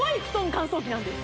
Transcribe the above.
乾燥機なんです